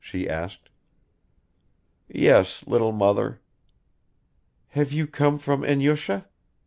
she asked. "Yes, little mother." "Have you come from Enyusha?